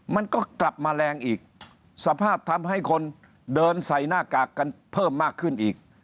มันก็กลับมาแรงอีกสภาพทำให้คนเดินใส่หน้ากากกันเพิ่มมากขึ้นอีก